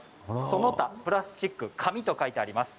その他、プラスチック紙と書いてあります。